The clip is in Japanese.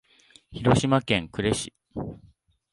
広島県呉市